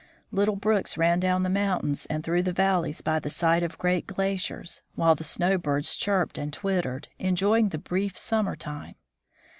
Little brooks ran down the mountains and through the valleys by the side of great glaciers, while the snowbirds chirped and twittered, enjoying the brief summer time.